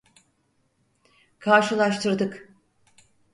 Karşılaştırdık.